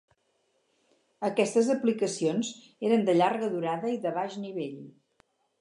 Aquestes aplicacions eren de llarga durada i de baix nivell.